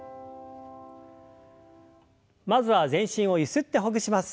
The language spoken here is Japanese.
まずは全身をゆすってほぐします。